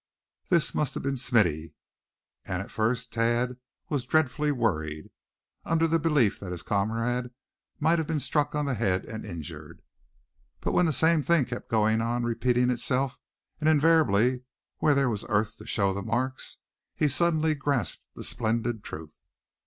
This must have been Smithy; and at first Thad was dreadfully worried, under the belief that his comrade might have been struck on the head, and injured. But when the same thing kept on repeating itself, and invariably when there was earth to show the marks, he suddenly grasped the splendid truth.